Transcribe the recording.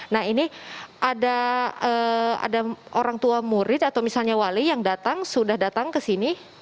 nah ini ada orang tua murid atau misalnya wali yang datang sudah datang ke sini